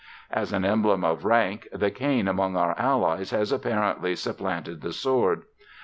As an emblem of rank the cane among our Allies has apparently supplanted the sword.